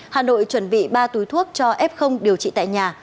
hà nội chuẩn bị ba túi thuốc cho f điều trị tại nhà